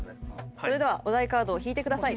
それではお題カードを引いてください。